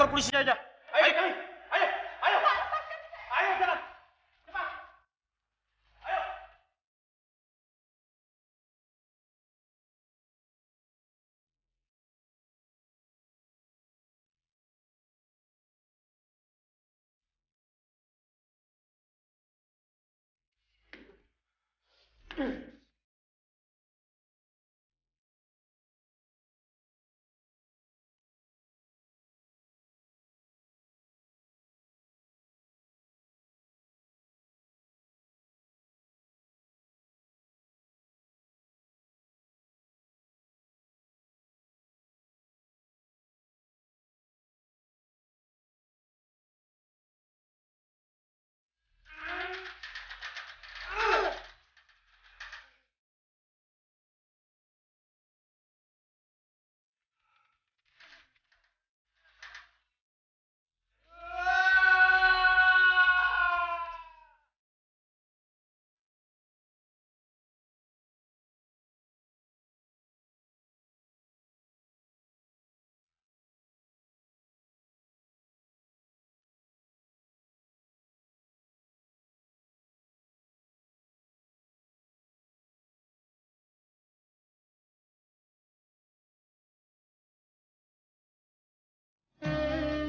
pak lepaskan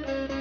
saya